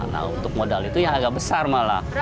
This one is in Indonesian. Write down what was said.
nah untuk modal itu yang agak besar malah